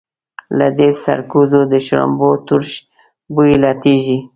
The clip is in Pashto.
له دې سرکوزو د شړومبو تروش بوی لټېږي.